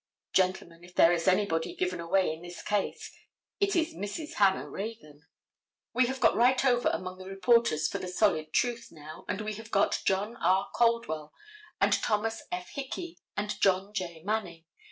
Gentlemen, if there is anybody given away in this case, it is Mrs. Hannah Reagan. We have got right over among the reporters for the solid truth, now, and we have got John R. Caldwell and Thomas F. Hickey, and John J. Manning.